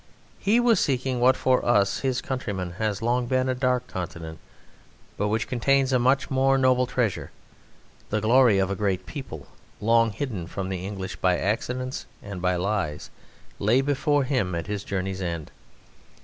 He was seeking what for us his countrymen has long been a dark continent but which contains a much more noble treasure. The glory of a great people, long hidden from the English by accidents and by lies, lay before him at his journey's end.